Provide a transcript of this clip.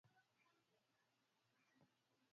kama katika uchaguzi wagombea huwatafuta wanamuziki